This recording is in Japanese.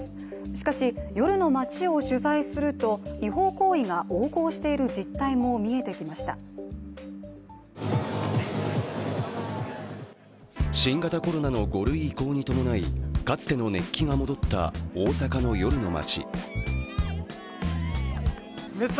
しかし夜の街を取材すると違法行為が横行している実態も見えてきました新型コロナの５類以降に伴い、かつての熱気が戻った大阪の夜の街。